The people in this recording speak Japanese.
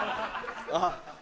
あっ。